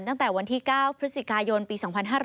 ตั้งแต่วันที่๙พฤศจิกายนปี๒๕๕๙